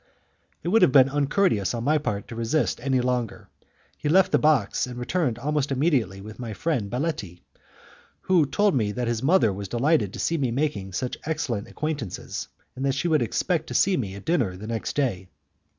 It would have been uncourteous on my part to resist any longer. He left the box and returned almost immediately with my friend Baletti, who told me that his mother was delighted to see me making such excellent acquaintances, and that she would expect to see me at dinner the next day.